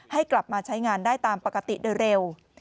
ให้กลับมาใช้งานได้ตามปกติโดยเร็ว